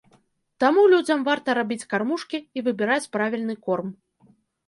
Таму людзям варта рабіць кармушкі і выбіраць правільны корм.